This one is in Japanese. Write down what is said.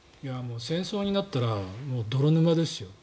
戦争になったら泥沼ですよ。